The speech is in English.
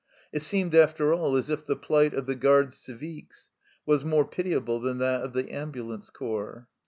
It seemed, after all, as if the plight of the Gardes Civiques was more pitiable than that of the ambulance corps.